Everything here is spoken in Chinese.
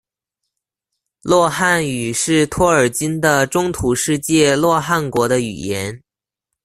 洛汗语是托尔金的中土世界洛汗国的语言。